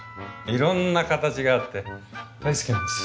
いろんな形があって大好きなんです。